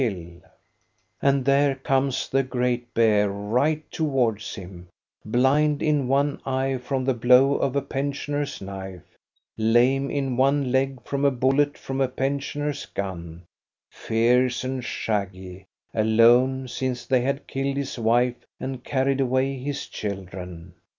THE GREAT BEAR IN GURLITTA CLIFF 127 And there comes the great bear right towards him, blind in one eye from the blow of a pensioner's knife, lame in one leg from a bullet from a pensioner's gun, fierce and shaggy, alone, since they had killed his wife and carried away his children.